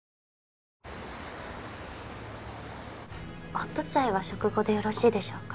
ホットチャイは食後でよろしいでしょうか？